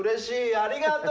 ありがとう！